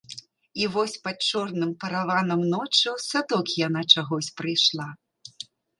І вось пад чорным параванам ночы ў садок яна чагось прыйшла.